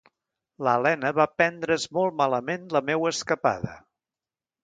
L’Elena va prendre’s molt malament la meua escapada.